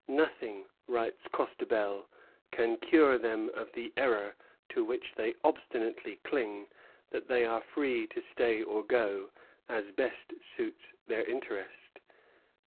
"Nothing," writes Costebelle, "can cure them of the error, to which they obstinately cling, that they are free to stay or go, as best suits their interest."